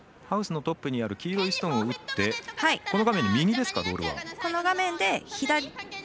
ハウスのトップにある黄色いストーンを打ってこの画面で右ですか？